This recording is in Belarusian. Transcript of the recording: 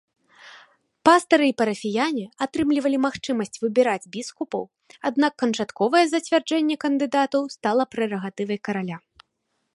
Пастары і парафіяне атрымлівалі магчымасць выбіраць біскупаў, аднак канчатковае зацвярджэнне кандыдатаў стала прэрагатывай караля.